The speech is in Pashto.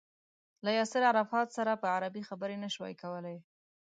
له ياسر عرفات سره په عربي خبرې نه شوای کولای.